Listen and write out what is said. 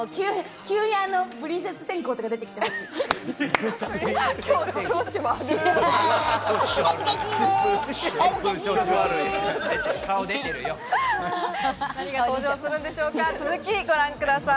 プリンセス天功とか出てきてほしい。